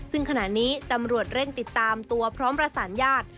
ซึ่งขณะนี้ตำรวจเร่งติดตามตัวพร้อมประสานญาติ